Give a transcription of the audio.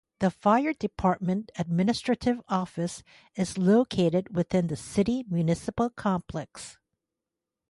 The fire department administrative office is located within the City Municipal Complex.